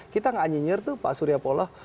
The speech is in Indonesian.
kita tidak nyinyir itu pak surya polah